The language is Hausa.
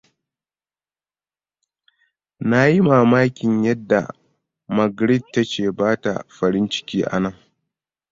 Na yi mamakin yadda Margret ta ce ba ta farinciki a nan.